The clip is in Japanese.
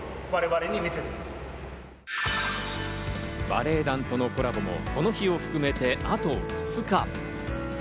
バレエ団とのコラボもこの日を含めてあと２日。